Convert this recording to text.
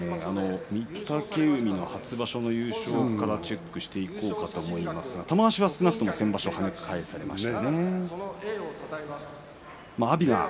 御嶽海の初場所の優勝からチェックしていこうかと思いますが、玉鷲は少なくとも先場所跳ね返されました。